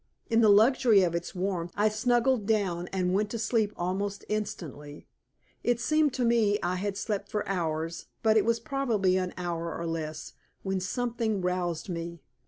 In the luxury of its warmth I snuggled down and went to sleep almost instantly. It seemed to me I had slept for hours, but it was probably an hour or less, when something roused me.